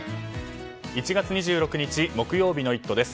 １月２６日木曜日の「イット！」です。